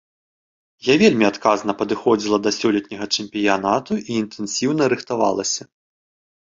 Я вельмі адказна падыходзіла да сёлетняга чэмпіянату і інтэнсіўна рыхтавалася.